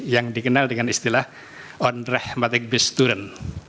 yang dikenal dengan istilah ondrehmatik bisturen